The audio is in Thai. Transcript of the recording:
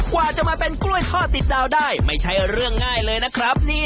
กว่าจะมาเป็นกล้วยทอดติดดาวได้ไม่ใช่เรื่องง่ายเลยนะครับ